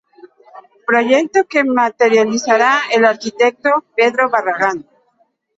Proyecto que materializaría el arquitecto Pedro Barragán.